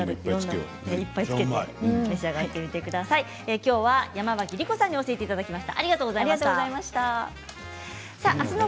きょうは山脇りこさんに教えていただきました。